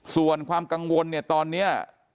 ส่วนความกังวลตอนนี้